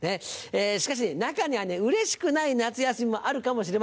しかし中にはねうれしくない夏休みもあるかもしれません。